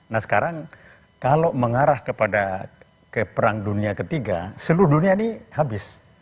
nah sekarang kalau mengarah kepada ke perang dunia ketiga seluruh dunia ini habis